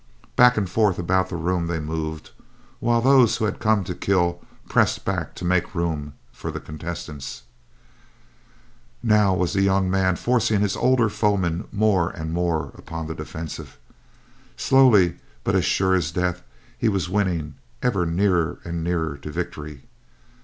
Back and forth about the room they moved, while those who had come to kill pressed back to make room for the contestants. Now was the young man forcing his older foeman more and more upon the defensive. Slowly, but as sure as death, he was winning ever nearer and nearer to victory.